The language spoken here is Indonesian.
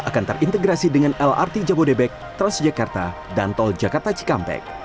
akan terintegrasi dengan lrt jabodebek transjakarta dan tol jakarta cikampek